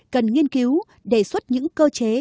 cần nghiên cứu đề xuất những cơ chế